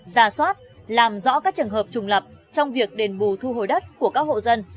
ra soát làm rõ các trường hợp trùng lập trong việc đền bù thu hồi đất của các hộ dân